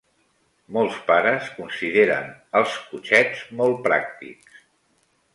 Molts pares consideren els cotxets molt pràctics.